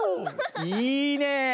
いいね！